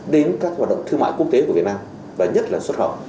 đến các hoạt động thương mại quốc tế của việt nam và nhất là xuất khẩu